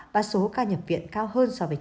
và số ca nhập viện cao hơn so với trường hợp